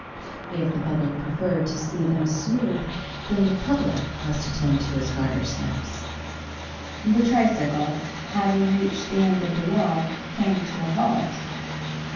If the public preferred to see them smooth then the public must attend to his gartersnaps. The tricycle having reached the end of the walk, came to a halt.